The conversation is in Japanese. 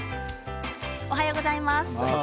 おはようございます。